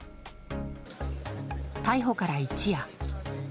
逮捕から一夜。